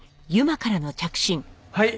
はい。